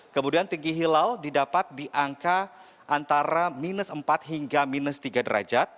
kemudian tinggi hilal didapat di angka antara minus empat hingga minus tiga derajat